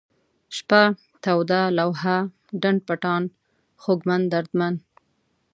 شپه ، توده ، لوحه ، ډنډ پټان ، خوږمن ، دردمن